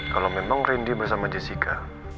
kalau memang rindy bersama jessica